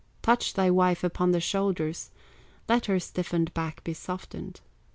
Touch thy wife upon the shoulders, Let her stiffened back be softened.